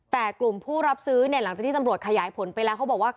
แต่กลุ่มผู้รับซื้อเนี่ยหลังจากที่ตำรวจขยายผลไปแล้วเขาบอกว่า